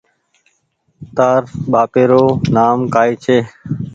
تاَر ٻهاپيرو نآم ڪائي ڇي